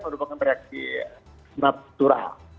merupakan reaksi natural